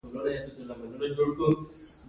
نوښتګر په ازاد فکر کولو پیل کوي.